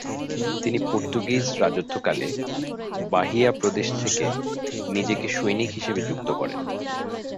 তিনি পর্তুগীজ রাজত্বকালে বাহিয়া প্রদেশ থেকে নিজেকে সৈনিক হিসেবে যুক্ত করেন।